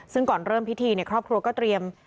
ซึ่งก่อนเริ่มพิธีครอบครัวก็เตรียม